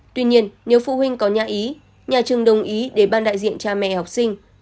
tuy nhiên nếu phụ huynh có nhạy ý nhà trường đồng ý để ban đại diện cha mẹ học sinh